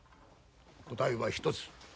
答えは一つ。